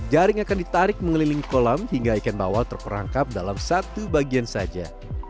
jaring akan ditarik mengelilingi kolam hingga ikan bawal terperangkap dalam satu bagian saja